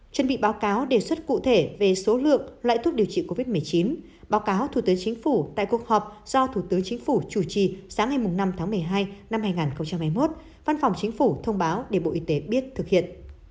chuẩn bị báo cáo đề xuất cụ thể về số lượng loại thuốc điều trị covid một mươi chín báo cáo thủ tướng chính phủ tại cuộc họp do thủ tướng chính phủ chủ trì sáng ngày năm tháng một mươi hai năm hai nghìn hai mươi một văn phòng chính phủ thông báo để bộ y tế biết thực hiện